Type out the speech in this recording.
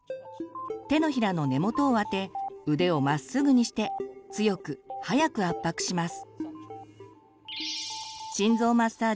手のひらの根元を当て腕をまっすぐにして強く早く圧迫します。